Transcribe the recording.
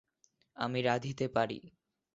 আমি রাঁধিতে পারি।